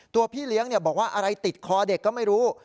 พี่เลี้ยงบอกว่าอะไรติดคอเด็กก็ไม่รู้